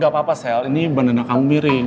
gapapa sel ini bandana kamu miring